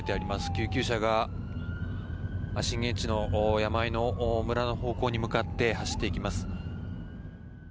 救急車が震源地の山あいの村の方向に向かって走っていきます。